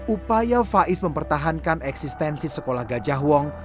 upaya faiz mempertahankan eksistensi sekolah gajah wong